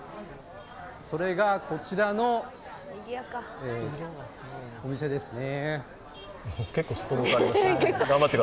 それがこちらのお店ですね。